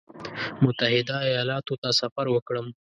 متحده ایالاتو ته سفر وکړم.